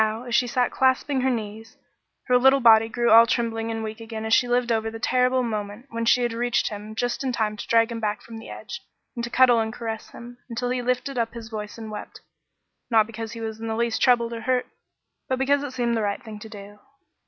Now, as she sat clasping her knees, her little body grew all trembling and weak again as she lived over the terrible moment when she had reached him just in time to drag him back from the edge, and to cuddle and caress him, until he lifted up his voice and wept, not because he was in the least troubled or hurt, but because it seemed to be the right thing to do.